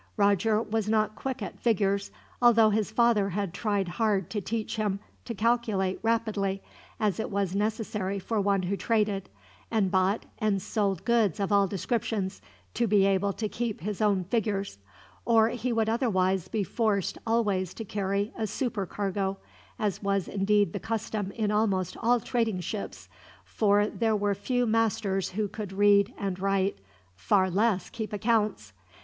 Roger was not quick at figures, although his father had tried hard to teach him to calculate rapidly, as it was necessary for one who traded, and bought and sold goods of all descriptions, to be able to keep his own figures; or he would otherwise be forced always to carry a supercargo, as was indeed the custom in almost all trading ships, for there were few masters who could read and write, far less keep accounts.